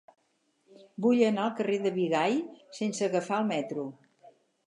Vull anar al carrer de Bigai sense agafar el metro.